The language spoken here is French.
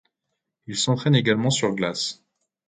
Il s'entraîne également sur glace.